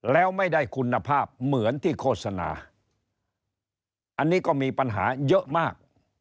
แล้วไม่ได้คุณภาพเหมือนที่โฆษณาอันนี้ก็มีปัญหาเยอะมาก